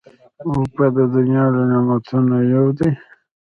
اوبه د دنیا له نعمتونو یو دی.